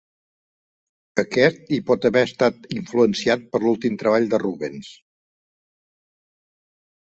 Aquest hi pot haver estat influenciat per l'últim treball de Rubens.